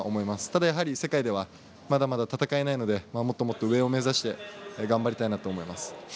ただ、世界ではまだまだ戦えないのでもっと上を目指して頑張りたいと思います。